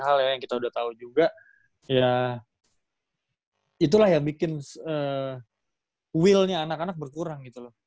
hal yang kita udah tahu juga ya itulah yang bikin willnya anak anak berkurang gitu loh